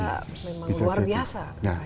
itu memang luar biasa